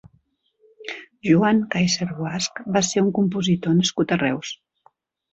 Joan Kaisser Guasch va ser un compositor nascut a Reus.